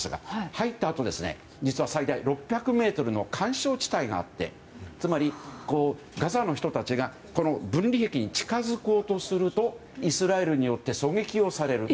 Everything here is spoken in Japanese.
入ったあと、実は最大６００ｍの緩衝地帯があってつまり、ガザの人たちが分離壁に近づこうとするとイスラエルによって狙撃をされる。